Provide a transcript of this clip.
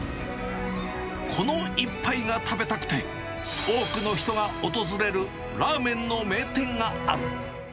この一杯が食べたくて、多くの人が訪れるラーメンの名店がある。